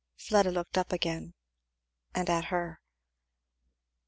Fleda looked up again, and at her.